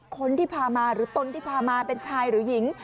คนที่พามาหรือตนที่พามาเป็นชายหรือหญิง